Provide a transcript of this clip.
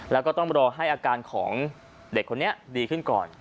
แล้วก็ต้องรอให้อาการของเด็กคนนี้ดีขึ้นก่อน